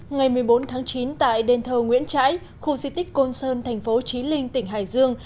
ngày một mươi bốn tháng chín tại đền thờ nguyễn trãi khu di tích côn sơn thành phố trí linh tỉnh hải dương